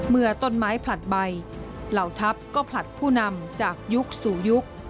เมื่อต้นไม้ผลัดใบเหล่าทัพก็ผลัดผู้นำจากยุคสู่ยุค